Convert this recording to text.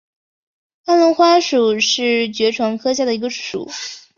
安龙花属是爵床科下的一个属。